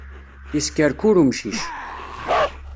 Yeskerkur umcic.